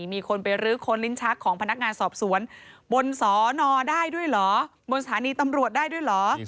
มีคนไปรื้อค้นลิ้นชักของพนักงานสอบสวนบนสอนอได้ด้วยเหรอบนสถานีตำรวจได้ด้วยเหรอ